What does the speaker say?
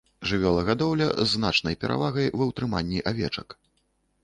Жывёлагадоўля з значнай перавагай ва ўтрыманні авечак.